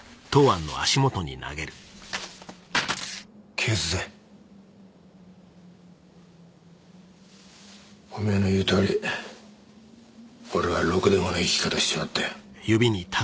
返すぜおめぇの言うとおり俺はろくでもねぇ生き方しちまったよ